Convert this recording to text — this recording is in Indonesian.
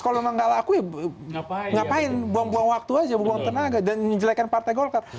kalau memang nggak laku ya ngapain buang buang waktu aja buang tenaga dan menjelekan partai golkar